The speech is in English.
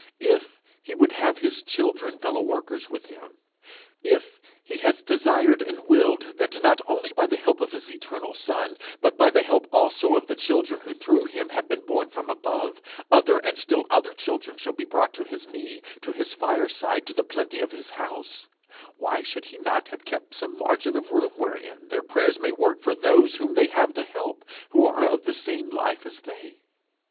If he would have his children fellow workers with him; if he has desired and willed that not only by the help of his eternal Son, but by the help also of the children who through him have been born from above, other and still other children shall be brought to his knee, to his fireside, to the plenty of his house, why should he not have kept some margin of room wherein their prayers may work for those whom they have to help, who are of the same life as they?